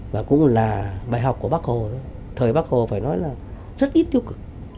và cũng là bài học của bác hồ thời bắc hồ phải nói là rất ít tiêu cực